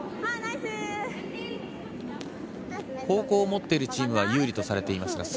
後攻をもっているチームが有利とされています。